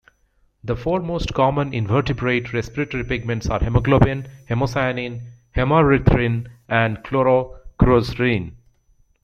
The four most common invertebrate respiratory pigments are hemoglobin, haemocyanin, haemerythrin and chlorocruorin.